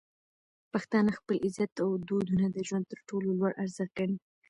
پښتانه خپل عزت او دودونه د ژوند تر ټولو لوړ ارزښت ګڼي.